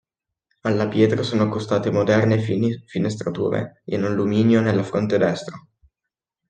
Alla pietra sono accostate moderne finestrature in alluminio nella fronte destra.